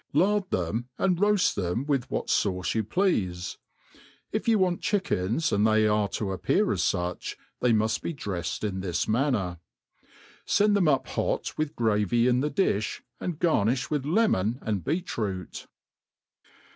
Lard them, and roaft them with what fauce you pleale. If you want chickens, and they are to appear as fuch, they muft be drefled in this manner: iissA ehem up hot with gravy in* the dilb,. and garnifli with lemon and beet rdot.